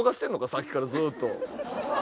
さっきからずっと。